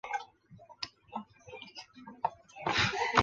宣州区是中国安徽省宣城市下辖的一个区。